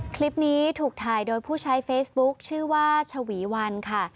คลิปนี้ถูกถ่ายโดยผู้ใช้เฟซบุ๊คชื่อว่าชวีวันค่ะ